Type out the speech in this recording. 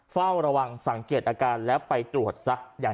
ผ่าวระวังสังเกตราการไปตรวจซะ